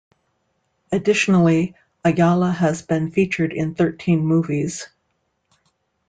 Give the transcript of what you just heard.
Additionally, Ayala has been featured in thirteen movies.